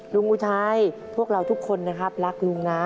อุทัยพวกเราทุกคนนะครับรักลุงนะ